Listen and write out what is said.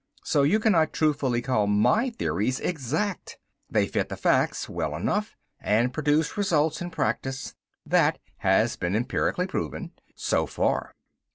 So you cannot truthfully call my theories exact. They fit the facts well enough and produce results in practice, that has been empirically proven. So far.